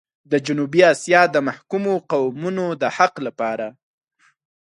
د جنوبي اسيا د محکومو قومونو د حق لپاره.